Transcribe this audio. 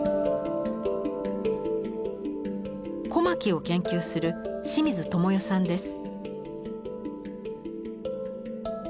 小牧を研究する清水智世さんです。